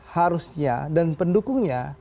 harusnya dan pendukungnya